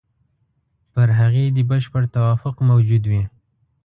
پر هغې دې بشپړ توافق موجود وي.